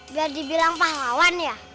biar dibilang pahlawan ya